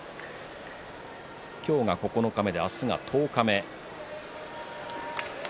今日が九日目、明日が十日目です。